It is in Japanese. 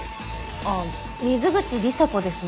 ああ水口里紗子ですね。